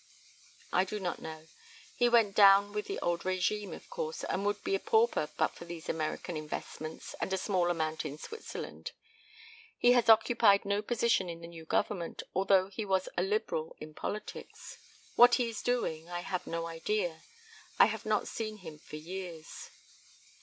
"I do not know. He went down with the old régime, of course, and would be a pauper but for these American investments and a small amount in Switzerland. He has occupied no position in the new Government, although he was a Liberal in politics. What he is doing I have no idea. I have not seen him for years."